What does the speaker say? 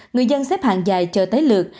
người dân xếp hàng dài chờ tới lượt